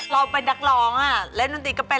เราเป็นนักร้องเล่นดนตรีก็เป็น